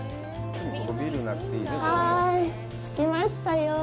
はい、着きましたよ。